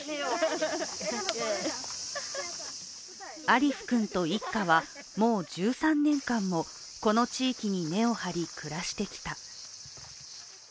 アリフ君と一家はもう１３年間もこの地域に根を張り、暮らしてきた。